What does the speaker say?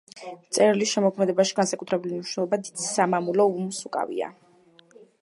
მწერლის შემოქმედებაში განსაკუთრებული მნიშვნელობა დიდ სამამულო ომს უკავია.